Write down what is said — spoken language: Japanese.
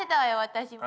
私も。